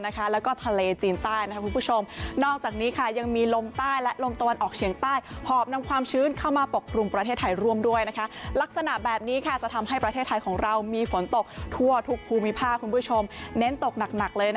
แล้วก็ทะเลจีนใต้คุณผู้ชมนอกจากนี้ค่ะยังมีลมใต้และลมตะวันออกเฉียงใต้หอบนำความชื้นเข้ามาปกครุมประเทศไทยร่วมด้วยลักษณะแบบนี้จะทำให้ประเทศไทยของเรามีฝนตกทั่วทุกภูมิภาคคุณผู้ชมเน้นตกหนักเลย